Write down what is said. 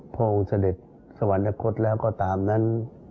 พระองค์เสด็จสวรรคตแล้วก็ตามนั้น